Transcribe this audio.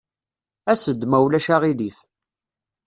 As-d, ma ulac aɣilif.